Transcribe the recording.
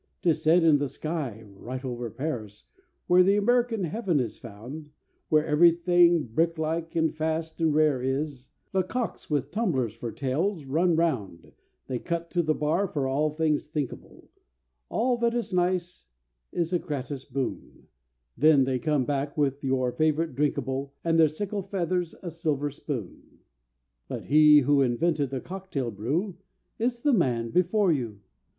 "'Tis said in the sky—right over Paris, Where the American heaven is found, Where everything brick like and fast and rare is— The cocks with tumblers for tails run round. They cut to the bar for all things thinkable,— All that is nice is a gratis boon,— Then they come back with your favourite drinkable And their sickle feather's a silver spoon! "But he who invented the cocktail brew is The man before you.